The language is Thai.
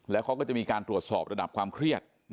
แล้วเขาก็จะมีการตรวจสอบระดับความเครียด